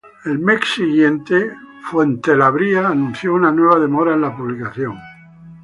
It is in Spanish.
El mes siguiente, Fox anunció una nueva demora en la publicación.